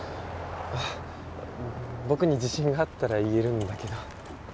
あっ僕に自信があったら言えるんだけど。